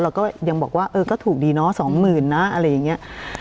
เราก็ยังบอกว่าเออก็ถูกดีเนาะ๒๐๐๐นะอะไรอย่างนี้